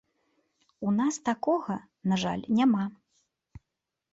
У нас такога, на жаль, няма.